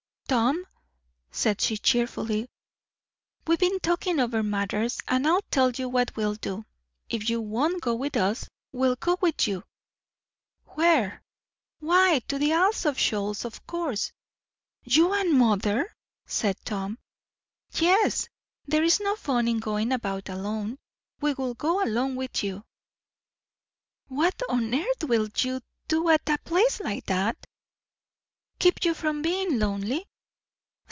"Tom," said she cheerfully, "we've been talking over matters, and I'll tell you what we'll do if you won't go with us, we will go with you!" "Where?" "Why, to the Isles of Shoals, of course." "You and mother!" said Tom. "Yes. There is no fun in going about alone. We will go along with you." "What on earth will you do at a place like that?" "Keep you from being lonely."